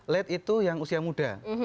late itu yang usia muda